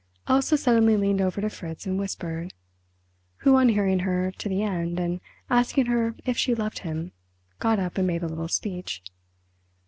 Elsa suddenly leaned over to Fritz and whispered, who on hearing her to the end and asking her if she loved him, got up and made a little speech.